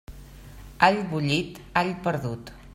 All bullit, all perdut.